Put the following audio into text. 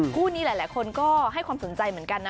คู่นี้หลายคนก็ให้ความสนใจเหมือนกันนะ